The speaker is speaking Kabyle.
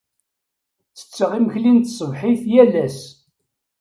Ttetteɣ imekli n tṣebḥit yal ass.